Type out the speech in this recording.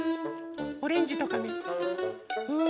オレンジとかね。